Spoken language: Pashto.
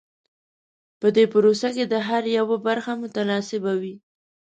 په دې پروسه کې د هر یوه برخه متناسبه وي.